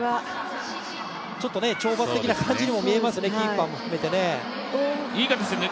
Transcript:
ちょっと懲罰的な感じも見えますね、キーパーも含めてね。